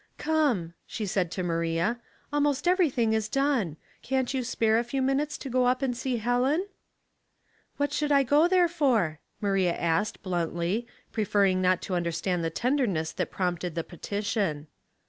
" Come," she said to Maria, " almost every thing is done. Can't you spare a few minutes to go up and see Helen ?"" What should I go there for ?" Maria asked, bluntly, preferring not to understand the tender ness that prompted the petition.